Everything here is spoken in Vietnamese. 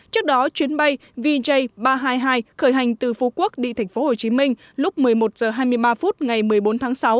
trước đó chuyến bay vj ba trăm hai mươi hai khởi hành từ phú quốc đi tp hcm lúc một mươi một h hai mươi ba phút ngày một mươi bốn tháng sáu